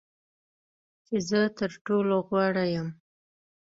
چې زه تر ټولو غوره یم .